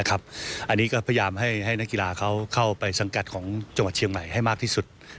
อันนี้ก็พยายามให้นักกีฬาเขาเข้าไปสังกัดของจังหวัดเชียงใหม่ให้มากที่สุด